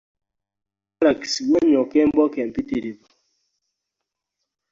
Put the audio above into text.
Mu Baalakisi wanyokka embooko empitirivu.